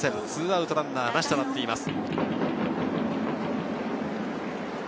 ２アウトランナーなしとなっています。